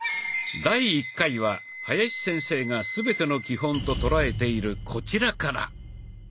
第１回は林先生が全ての基本と捉えているこちらから。